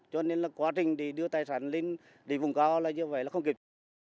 cho nên là quá trình để đưa tài sản lên vùng cao là như vậy là không kịp